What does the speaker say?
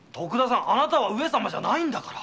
貴方は上様じゃないんだから。